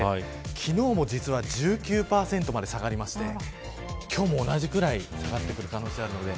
昨日も実は１９％まで下がりまして今日も同じくらい下がってくる可能性があるので。